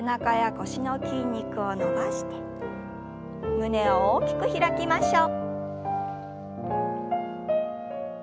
胸を大きく開きましょう。